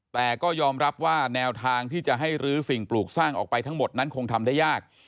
แต่ก็ยอมรับว่าแนวทางที่จะให้รื้อสิ่งปลูกสร้างออกไปทั้งหมดนั้นคงทำได้ยาก